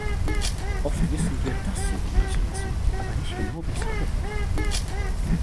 Oft wissen wir, dass sie ungesund sind, aber nicht genau weshalb.